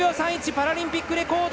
パラリンピックレコード！